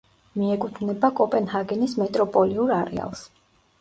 მიეკუთვნება კოპენჰაგენის მეტროპოლიურ არეალს.